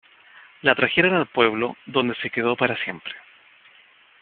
La trajeron al pueblo, donde se quedó para siempre.